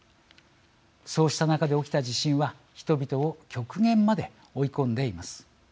そうした中で起きた地震は人々を極限まで追い込んでいます。